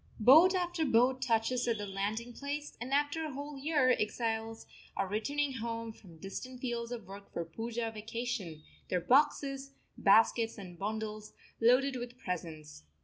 Boat after boat touches at the landing place, and after a whole year exiles are returning home from distant fields of work for the Poojah vacation, their boxes, baskets, and bundles loaded with presents.